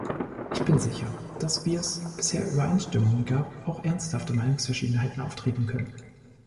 Ich bin sicher, dass, wie es bisher Übereinstimmungen gab, auch ernsthafte Meinungsverschiedenheiten auftreten könnten.